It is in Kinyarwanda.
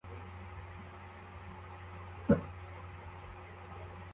Umwana agaragaza amarangamutima kumupira wamaguru